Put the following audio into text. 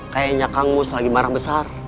kayaknya kang mus lagi marah besar